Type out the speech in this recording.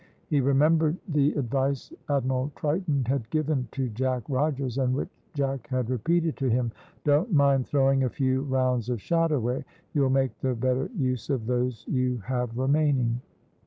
He remembered the advice Admiral Triton had given to Jack Rogers, and which Jack had repeated to him "Don't mind throwing a few rounds of shot away; you'll make the better use of those you have remaining."